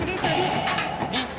リス。